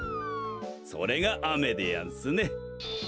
それがあめでやんすね。